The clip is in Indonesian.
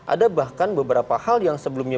ada bahkan beberapa hal yang sebelumnya